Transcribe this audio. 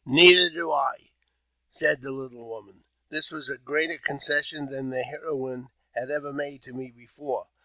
" Neither do I," said the little woman. This was a greater concession than the heroine had ever made to me before.